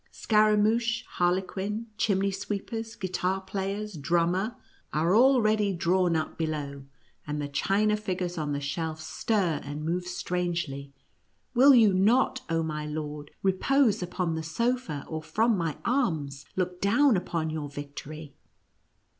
Scaramouch, Harlequin, Chimney sweepers, Guit ar players, Drummer, are all ready drawn up be 38 isruTCE acker a:nt> mouse kes g. low, and the china figures on the shelf stir and move strangely ! Will yon not, oh, my lord ! repose upon the sofa, or from my arms look down upon your victory